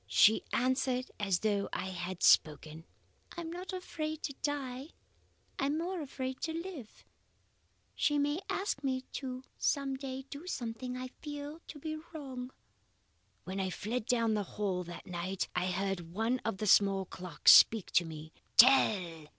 She answered as though I had spoken. "'I am not afraid to die. I am more afraid to live. She may ask me some day to do something I feel to be wrong.' "When I fled down the hall that night, I heard one of the small clocks speak to me. Tell!